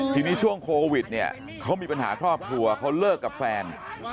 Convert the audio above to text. ทีนี้ช่วงโควิดเนี่ยเขามีปัญหาครอบครัวเขาเลิกกับแฟน